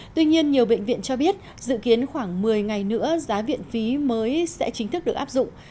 tuy nhiên nhiều bệnh viện cho biết dự kiến khoảng một mươi ngày nữa giá viện phí mới sẽ chính thức được áp dụng